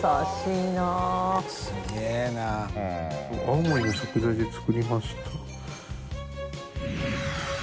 青森の食材で作りました」